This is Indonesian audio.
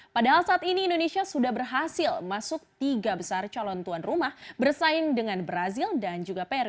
padahal saat ini indonesia sudah berhasil masuk tiga besar calon tuan rumah bersaing dengan brazil dan juga peru